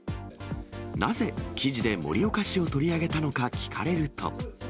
なぜ、記事で盛岡市を取り上げたのか聞かれると。